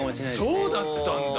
そうだったんだ。